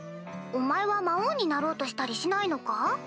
お前は魔王になろうとしたりしないのか？